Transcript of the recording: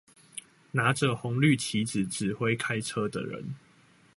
拿著紅綠旗子指揮開車的人